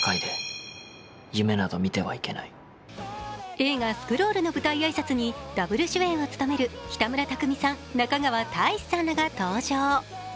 映画「スクロール」の舞台挨拶にダブル主演を務める北村匠海さん、中川大志さんらが登場。